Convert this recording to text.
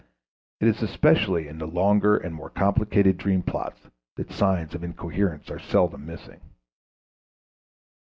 It is especially in the longer and more complicated dream plots that signs of incoherence are seldom missing.